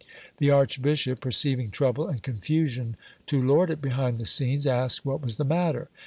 The archbishop, perceiving trouble and confusion to lord it behind the scenes, asked what was the matter.